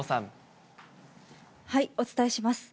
お伝えします。